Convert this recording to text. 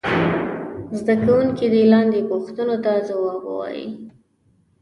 زده کوونکي دې لاندې پوښتنو ته ځواب ووايي.